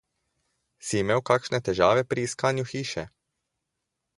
Si imel kakšne težave pri iskanju hiše?